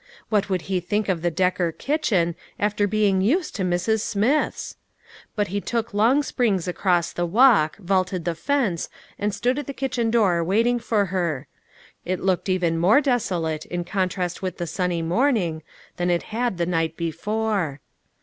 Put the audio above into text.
What would he think of the Decker kitchen after being used to Mrs. Smith's ! But he took long springs across the walk, vaulted the fence and stood at the kitchen door waiting for her. It looked even more desolate, in contrast with the sunny morning, than it had the night before.